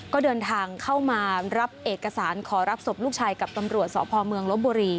ก็เดินทางเข้ามารับเอกสารขอรับศพลูกชายกับตำรวจสพเมืองลบบุรี